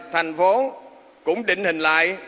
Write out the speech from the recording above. thành phố cũng định hình lại